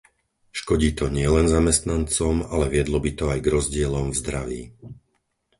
Škodí to nielen zamestnancom, ale viedlo by to aj k rozdielom v zdraví.